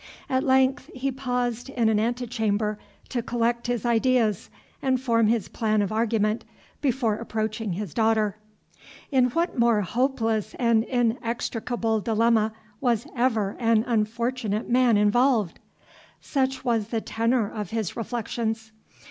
At length he paused in an antechamber to collect his ideas, and form his plan of argument, before approaching his daughter. "In what more hopeless and inextricable dilemma was ever an unfortunate man involved!" Such was the tenor of his reflections.